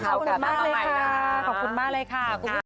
ขอบคุณมากเลยค่ะ